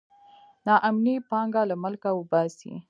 نا امني پانګه له ملکه وباسي.